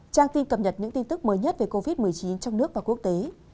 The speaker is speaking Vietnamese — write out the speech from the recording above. trang tin cập nhật những tin tức mới nhất về covid một mươi chín trong nước và quốc tế